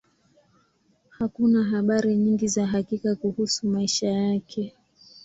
Hakuna habari nyingi za hakika kuhusu maisha yake.